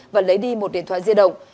và lấy đi một điện thoại di động